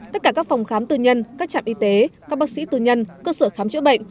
tất cả các phòng khám tư nhân các trạm y tế các bác sĩ tư nhân cơ sở khám chữa bệnh